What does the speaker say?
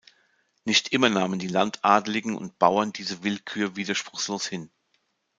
Nicht immer nahmen die Landadligen und Bauern diese Willkür widerspruchslos hin.